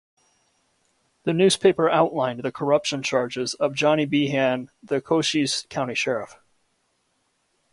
The newspaper outlined the corruption charges of Johnny Behan the Cochise County sheriff.